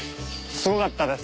すごかったです。